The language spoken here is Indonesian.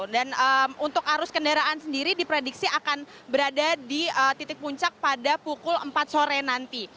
dan untuk arus kendaraan sendiri diprediksi akan berada di titik puncak pada pukul empat sore nanti